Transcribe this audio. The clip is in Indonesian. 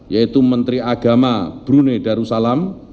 yaitu menteri agama brunei darussalam